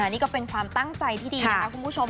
นี่ก็เป็นความตั้งใจที่ดีนะคะคุณผู้ชม